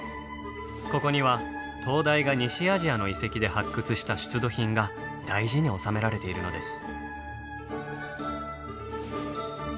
ここには東大が西アジアの遺跡で発掘した出土品が大事に収められているのです。